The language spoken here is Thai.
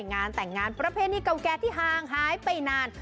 งานแต่งงานประเพณีเก่าแก่ที่ห่างหายไปนาน